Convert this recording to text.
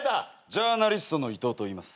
ジャーナリストの伊藤といいます。